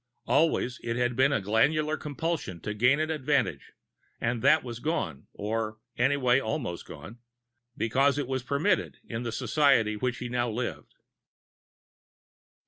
Always it had been the glandular compulsion to gain an advantage, and that was gone, or anyway almost gone, because it was permitted in the society in which he now lived.